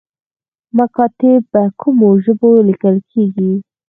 مکاتیب په کومو ژبو لیکل کیږي؟